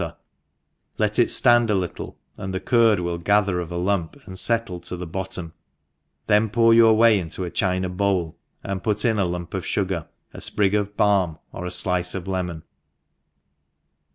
ter, let it ftand a little, and the curd will gather in a lump, and fettle to the bottom, then pour your whey into a china bowl, and put in a lump ^f fugar, a fprig of balm, or a ilice of lemon.